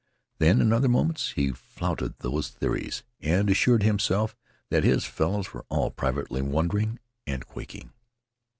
Then, in other moments, he flouted these theories, and assured himself that his fellows were all privately wondering and quaking.